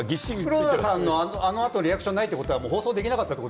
黒田さんのあの後、リアクションないのは放送できなかったという？